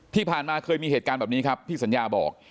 ที่ผ่านมาเคยมีเหตุการณ์แบบนี้ครับพี่สัญญาบอก